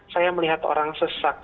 saya melihat orang sesak